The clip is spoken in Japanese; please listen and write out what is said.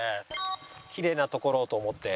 きれいな所をと思って。